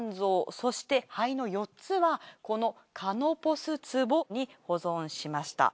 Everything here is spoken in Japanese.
そして肺の４つはこのカノポス壺に保存しました。